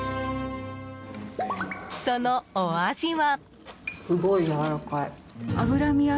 そのお味は。